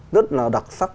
rất là đặc sắc